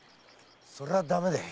それはダメだ。